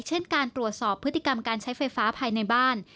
เช่นการตรวจสอบพฤติกรรมการใช้ไฟฟ้าภายในบ้าน